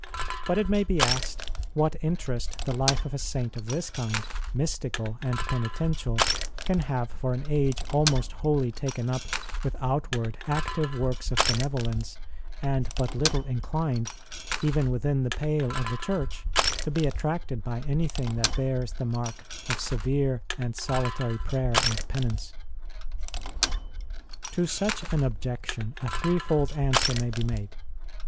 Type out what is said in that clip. But it may be asked what interest the life of a saint of this kind, mystical and peni tential, can have for an age almost wholly taken up with outward, active works of benevolence, and but little inclined, even within the pale of the Church, to be attracted by anything that bears 28 ST. ROSE OF LIMA the mark of severe and solitary prayer and penance. To such an objection a threefold answer may be made.